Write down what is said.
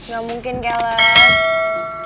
gak mungkin keles